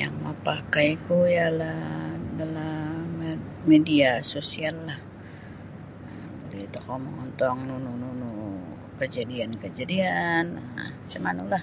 Yang mapakaiku ialah adalah media sosiallah buli tokou mongontong nunu kajadian-kajadian um macam manulah.